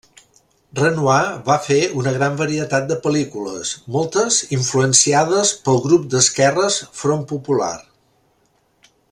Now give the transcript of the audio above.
Renoir va fer una gran varietat de pel·lícules, moltes influenciades pel grup d'esquerres Front Popular.